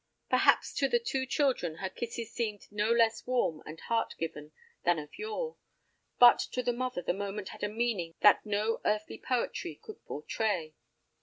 Perhaps to the two children her kisses seemed no less warm and heart given than of yore, but to the mother the moment had a meaning that no earthly poetry could portray.